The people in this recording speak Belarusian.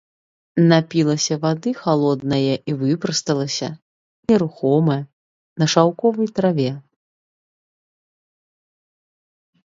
Напілася вады халоднае і выпрасталася, нерухомая, на шаўковай траве.